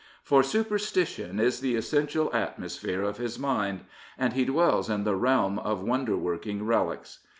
For superstition is the essential atmosphere of his mind, and he dwells in the realm of wonder working relics.